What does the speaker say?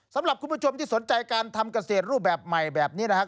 สำหรับคุณผู้ชมที่สนใจการทำเกษตรรูปแบบใหม่แบบนี้นะครับ